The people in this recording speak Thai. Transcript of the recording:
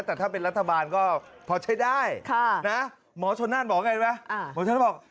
แต่ถ้าเป็นรัฐบาลก็พอใช้ได้หมอชนนั่นบอกว่าไงวะหมอชนนั่นบอก